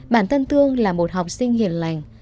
bản thân thương là một học sinh hiền lành